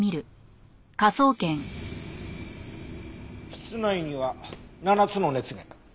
室内には７つの熱源。